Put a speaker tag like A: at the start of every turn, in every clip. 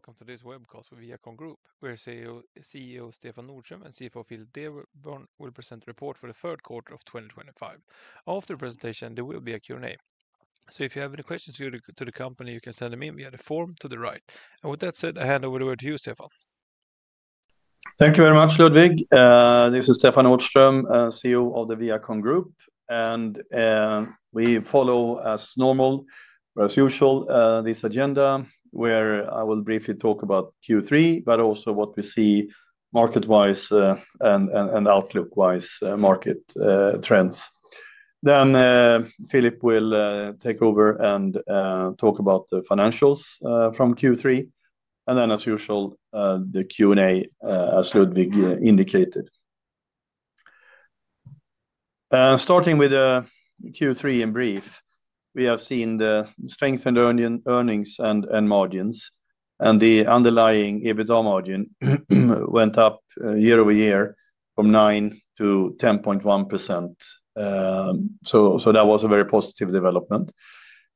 A: Hello and welcome to this webcast with ViaCon Group, where CEO Stefan Nordström and CFO Philip Delborn will present the report for the third quarter of 2025. After the presentation, there will be a Q&A. If you have any questions to the company, you can send them in via the form to the right. With that said, I hand over the word to you, Stefan.
B: Thank you very much, Ludwig. This is Stefan Nordström, CEO of the ViaCon Group, and we follow, as normal, or as usual, this agenda, where I will briefly talk about Q3, but also what we see market-wise and outlook-wise market trends. Then Philip will take over and talk about the financials from Q3, and then, as usual, the Q&A, as Ludwig indicated. Starting with Q3 in brief, we have seen the strengthened earnings and margins, and the underlying EBITDA margin went up year-over-year from 9% to 10.1%. That was a very positive development.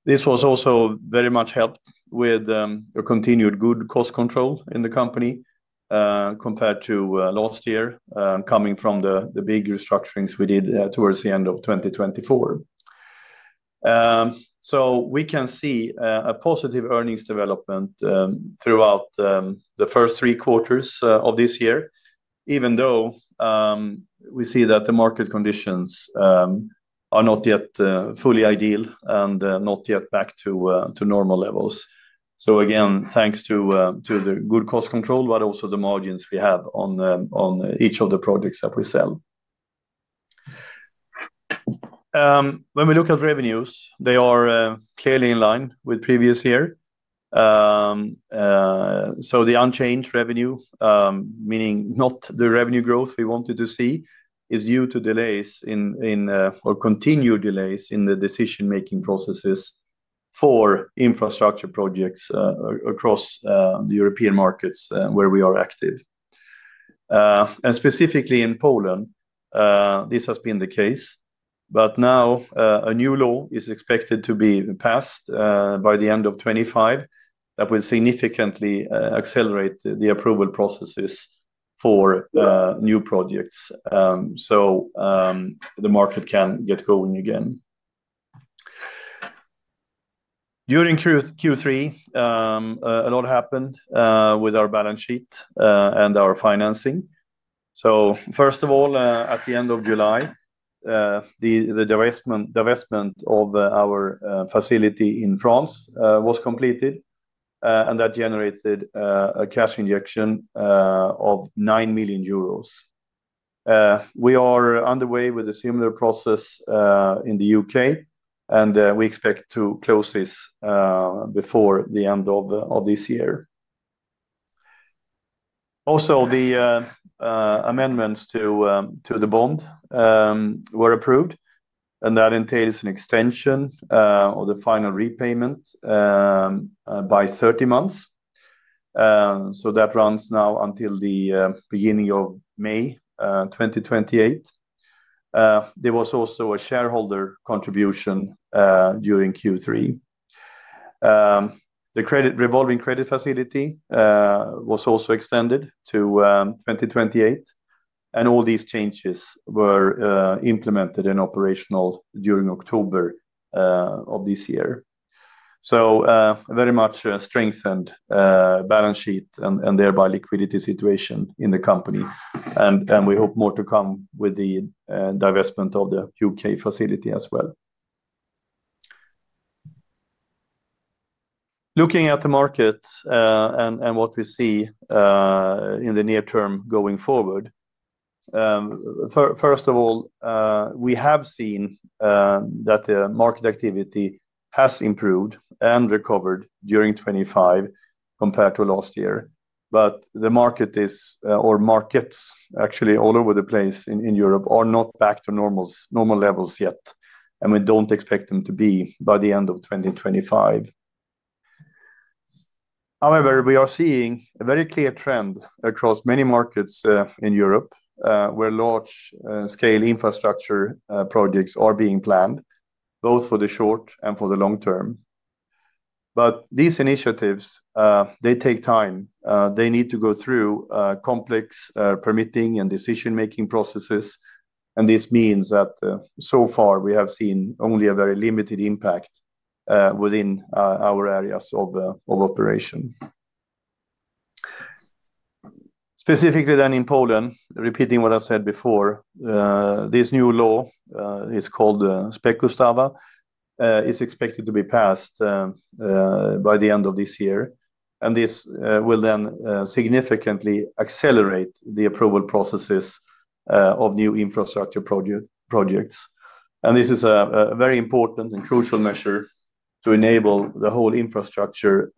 B: This was also very much helped with the continued good cost control in the company compared to last year, coming from the big restructurings we did towards the end of 2024. We can see a positive earnings development throughout the first three quarters of this year, even though we see that the market conditions are not yet fully ideal and not yet back to normal levels. Again, thanks to the good cost control, but also the margins we have on each of the projects that we sell. When we look at revenues, they are clearly in line with previous year. The unchanged revenue, meaning not the revenue growth we wanted to see, is due to delays in, or continued delays in the decision-making processes for infrastructure projects across the European markets where we are active. Specifically in Poland, this has been the case, but now a new law is expected to be passed by the end of 2025 that will significantly accelerate the approval processes for new projects, so the market can get going again. During Q3, a lot happened with our balance sheet and our financing. First of all, at the end of July, the divestment of our facility in France was completed, and that generated a cash injection of 9 million euros. We are underway with a similar process in the U.K., and we expect to close this before the end of this year. Also, the amendments to the bond were approved, and that entails an extension of the final repayment by 30 months. That runs now until the beginning of May 2028. There was also a shareholder contribution during Q3. The revolving credit facility was also extended to 2028, and all these changes were implemented and operational during October of this year. A very much strengthened balance sheet and thereby liquidity situation in the company, and we hope more to come with the divestment of the U.K. facility as well. Looking at the market and what we see in the near term going forward, first of all, we have seen that the market activity has improved and recovered during 2025 compared to last year, but the market is, or markets actually all over the place in Europe, are not back to normal levels yet, and we do not expect them to be by the end of 2025. However, we are seeing a very clear trend across many markets in Europe where large-scale infrastructure projects are being planned, both for the short and for the long term. These initiatives, they take time. They need to go through complex permitting and decision-making processes, and this means that so far we have seen only a very limited impact within our areas of operation. Specifically then in Poland, repeating what I said before, this new law, it's called Specustawa, is expected to be passed by the end of this year, and this will then significantly accelerate the approval processes of new infrastructure projects. This is a very important and crucial measure to enable the whole infrastructure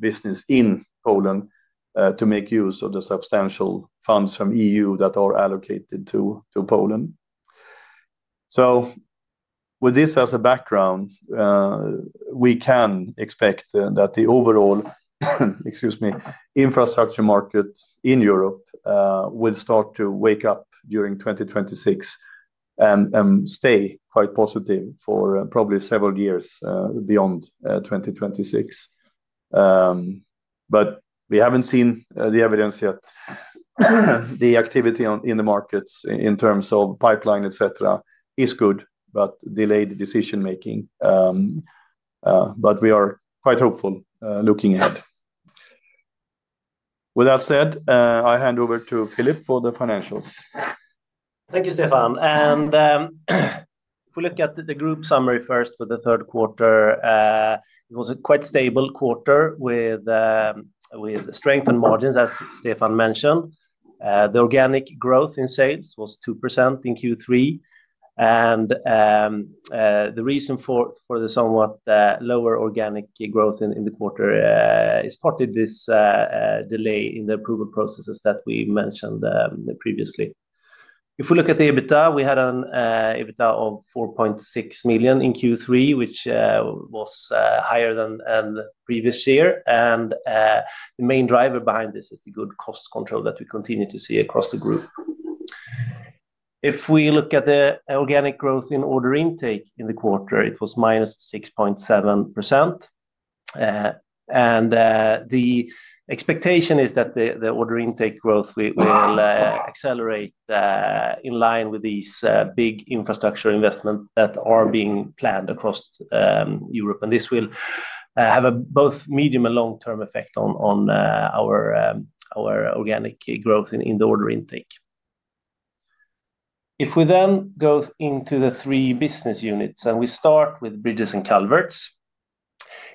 B: business in Poland to make use of the substantial funds from the EU that are allocated to Poland. With this as a background, we can expect that the overall, excuse me, infrastructure market in Europe will start to wake up during 2026 and stay quite positive for probably several years beyond 2026. We haven't seen the evidence yet. The activity in the markets in terms of pipeline, etc., is good, but delayed decision-making. We are quite hopeful looking ahead. With that said, I hand over to Philip for the financials.
C: Thank you, Stefan. If we look at the group summary first for the third quarter, it was a quite stable quarter with strengthened margins, as Stefan mentioned. The organic growth in sales was 2% in Q3, and the reason for the somewhat lower organic growth in the quarter is partly this delay in the approval processes that we mentioned previously. If we look at the EBITDA, we had an EBITDA of 4.6 million in Q3, which was higher than the previous year, and the main driver behind this is the good cost control that we continue to see across the group. If we look at the organic growth in order intake in the quarter, it was -6.7%, and the expectation is that the order intake growth will accelerate in line with these big infrastructure investments that are being planned across Europe, and this will have both medium and long-term effect on our organic growth in the order intake. If we then go into the three business units and we start with Bridges and Culverts,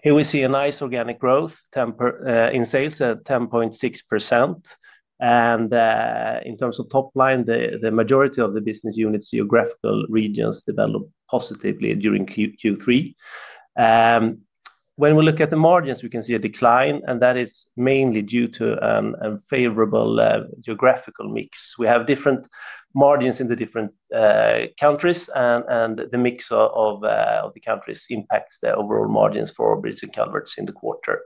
C: here we see a nice organic growth in sales at 10.6%, and in terms of top line, the majority of the business units, geographical regions developed positively during Q3. When we look at the margins, we can see a decline, and that is mainly due to a favorable geographical mix. We have different margins in the different countries, and the mix of the countries impacts the overall margins for Bridges and Culverts in the quarter.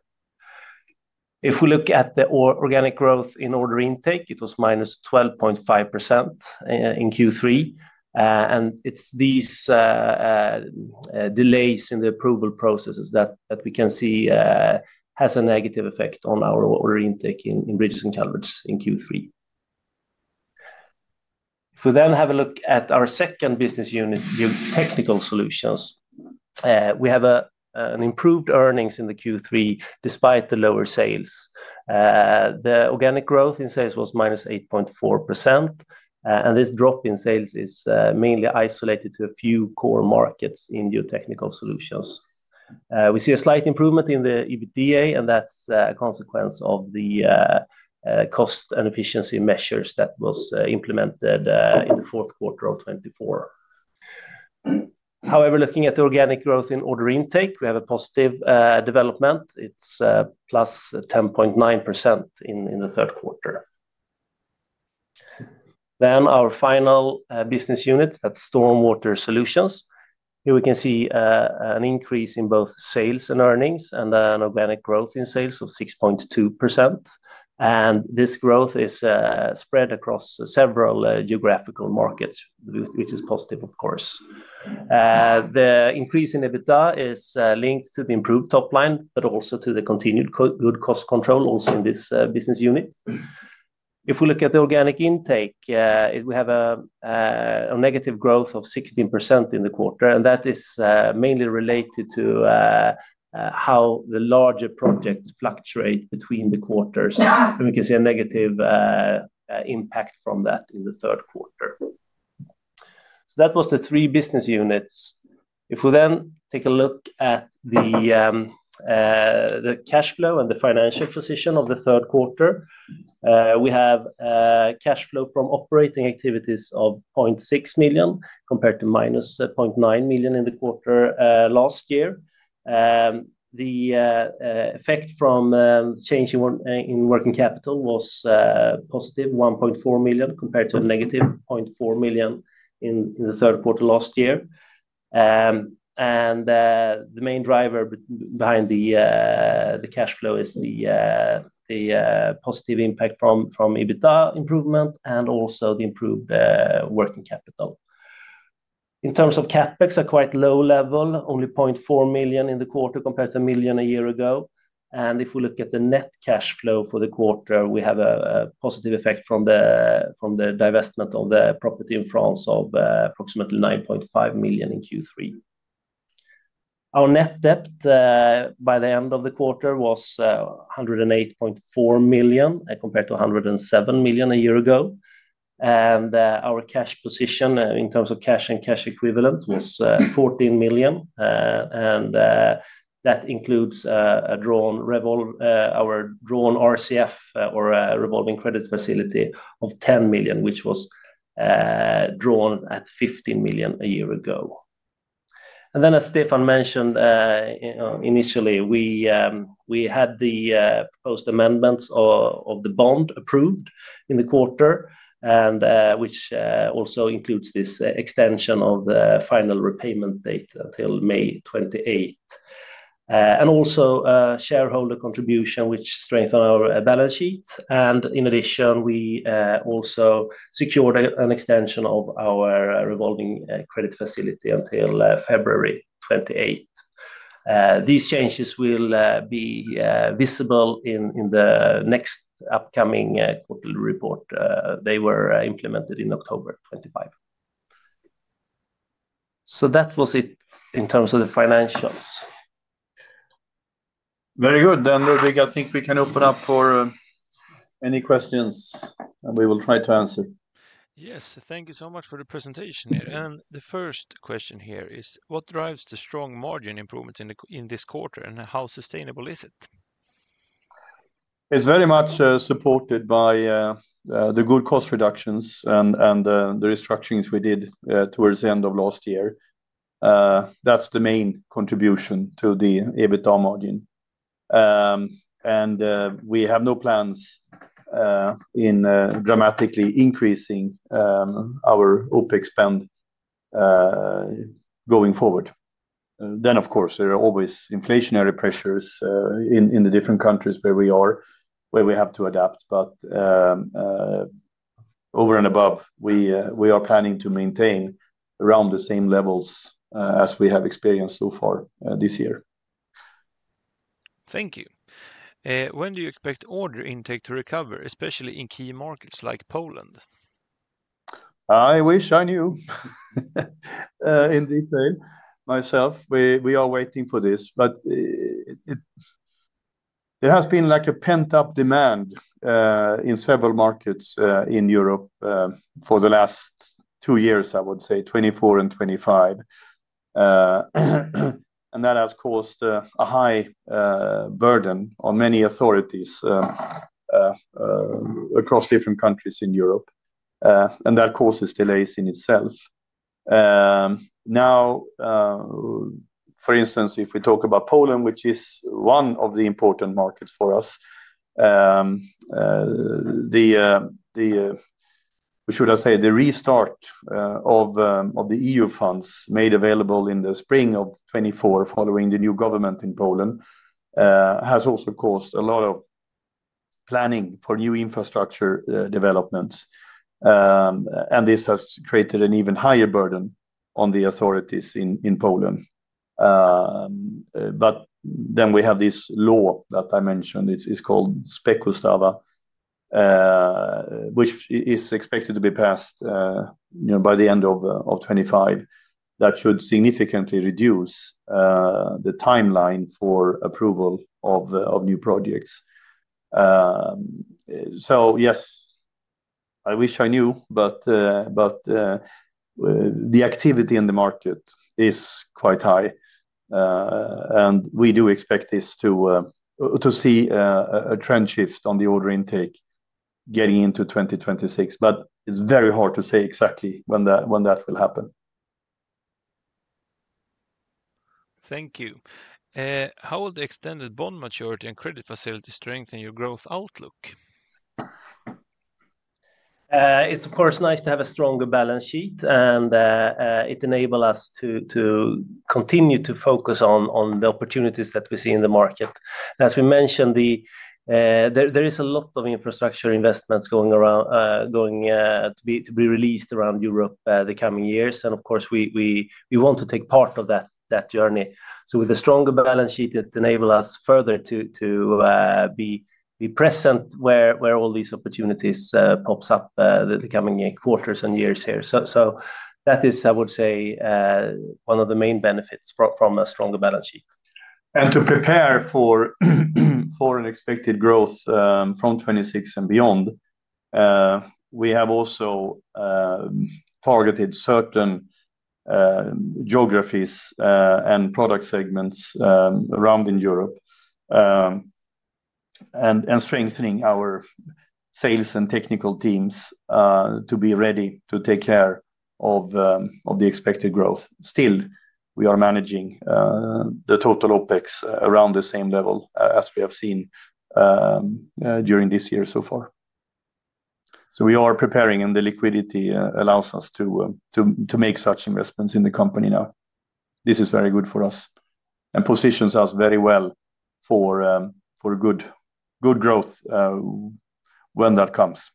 C: If we look at the organic growth in order intake, it was -12.5% in Q3, and it's these delays in the approval processes that we can see have a negative effect on our order intake in Bridges and Culverts in Q3. If we then have a look at our second business unit, Technical Solutions, we have improved earnings in Q3 despite the lower sales. The organic growth in sales was -8.4%, and this drop in sales is mainly isolated to a few core markets in new Technical Solutions. We see a slight improvement in the EBITDA, and that's a consequence of the cost and efficiency measures that were implemented in the fourth quarter of 2024. However, looking at the organic growth in order intake, we have a positive development. It's +10.9% in the third quarter. Our final business unit, that's Stormwater Solutions. Here we can see an increase in both sales and earnings and an organic growth in sales of 6.2%, and this growth is spread across several geographical markets, which is positive, of course. The increase in EBITDA is linked to the improved top line, but also to the continued good cost control also in this business unit. If we look at the organic intake, we have a negative growth of 16% in the quarter, and that is mainly related to how the larger projects fluctuate between the quarters, and we can see a negative impact from that in the third quarter. That was the three business units. If we then take a look at the cash flow and the financial position of the third quarter, we have cash flow from operating activities of 0.6 million compared to minus 0.9 million in the quarter last year. The effect from change in working capital was positive, 1.4 million compared to a negative 0.4 million in the third quarter last year. The main driver behind the cash flow is the positive impact from EBITDA improvement and also the improved working capital. In terms of CapEx, a quite low level, only 0.4 million in the quarter compared to 1 million a year ago, and if we look at the net cash flow for the quarter, we have a positive effect from the divestment of the property in France of approximately 9.5 million in Q3. Our net debt by the end of the quarter was 108.4 million compared to 107 million a year ago, and our cash position in terms of cash and cash equivalents was 14 million, and that includes our drawn RCF or revolving credit facility of 10 million, which was drawn at 15 million a year ago. As Stefan mentioned initially, we had the proposed amendments of the bond approved in the quarter, which also includes this extension of the final repayment date until May 2028, and also shareholder contribution, which strengthened our balance sheet. In addition, we also secured an extension of our revolving credit facility until February 2028. These changes will be visible in the next upcoming quarterly report. They were implemented in October 2025. That was it in terms of the financials.
B: Very good. Ludwig, I think we can open up for any questions, and we will try to answer.
A: Yes, thank you so much for the presentation here. The first question here is, what drives the strong margin improvements in this quarter, and how sustainable is it?
B: is very much supported by the good cost reductions and the restructurings we did towards the end of last year. That is the main contribution to the EBITDA margin, and we have no plans in dramatically increasing our OPEX spend going forward. Of course, there are always inflationary pressures in the different countries where we are, where we have to adapt, but over and above, we are planning to maintain around the same levels as we have experienced so far this year.
A: Thank you. When do you expect order intake to recover, especially in key markets like Poland?
B: I wish I knew in detail myself. We are waiting for this, but there has been like a pent-up demand in several markets in Europe for the last two years, I would say 2024 and 2025, and that has caused a high burden on many authorities across different countries in Europe, and that causes delays in itself. Now, for instance, if we talk about Poland, which is one of the important markets for us, the, should I say, the restart of the EU funds made available in the spring of 2024 following the new government in Poland has also caused a lot of planning for new infrastructure developments, and this has created an even higher burden on the authorities in Poland. Then we have this law that I mentioned. It's called Specustawa, which is expected to be passed by the end of 2025. That should significantly reduce the timeline for approval of new projects. Yes, I wish I knew, but the activity in the market is quite high, and we do expect to see a trend shift on the order intake getting into 2026, but it's very hard to say exactly when that will happen.
A: Thank you. How will the extended bond maturity and credit facility strengthen your growth outlook?
C: It's, of course, nice to have a stronger balance sheet, and it enables us to continue to focus on the opportunities that we see in the market. As we mentioned, there is a lot of infrastructure investments going to be released around Europe the coming years, and of course, we want to take part of that journey. With a stronger balance sheet, it enables us further to be present where all these opportunities pop up the coming quarters and years here. That is, I would say, one of the main benefits from a stronger balance sheet.
B: To prepare for an expected growth from 2026 and beyond, we have also targeted certain geographies and product segments around in Europe and strengthening our sales and technical teams to be ready to take care of the expected growth. Still, we are managing the total OPEX around the same level as we have seen during this year so far. We are preparing, and the liquidity allows us to make such investments in the company now. This is very good for us and positions us very well for good growth when that comes.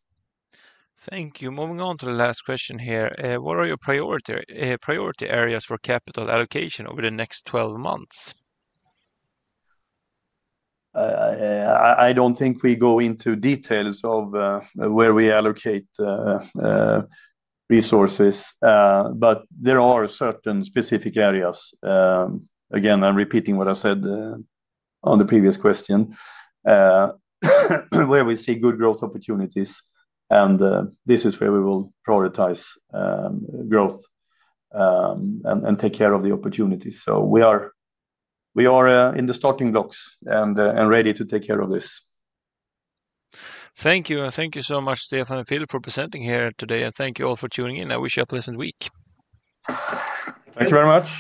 A: Thank you. Moving on to the last question here. What are your priority areas for capital allocation over the next 12 months?
B: I don't think we go into details of where we allocate resources, but there are certain specific areas. Again, I'm repeating what I said on the previous question, where we see good growth opportunities, and this is where we will prioritize growth and take care of the opportunities. We are in the starting blocks and ready to take care of this.
A: Thank you. Thank you so much, Stefan and Philip, for presenting here today, and thank you all for tuning in. I wish you a pleasant week.
B: Thank you very much.